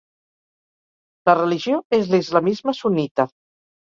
La religió és l'islamisme sunnita.